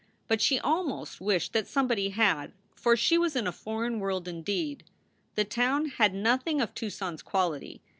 But she almost wished that somebody had, for she was in a foreign world indeed. The town had nothing of Tucson s quality.